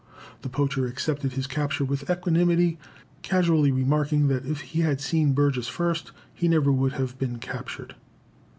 The poacher accepted his capture with equanimity, casually remarking that if he had seen Burgess first he never would have been captured.